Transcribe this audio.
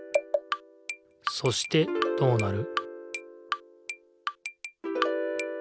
そしてどうなる？